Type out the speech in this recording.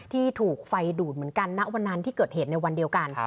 ที่ถูกไฟดูดเหมือนกันณวันนั้นที่เกิดเหตุในวันเดียวกัน